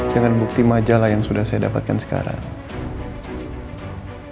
dengan bukti majalah yang sudah saya dapatkan sekarang